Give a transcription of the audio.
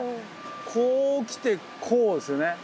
こう来てこうですよね。